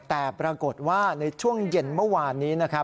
แต่ปรากฏว่าในช่วงเย็นเมื่อวานนี้นะครับ